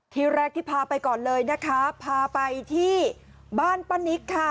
ที่แรกที่พาไปก่อนเลยนะคะพาไปที่บ้านป้านิตค่ะ